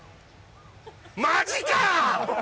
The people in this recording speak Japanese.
マジか！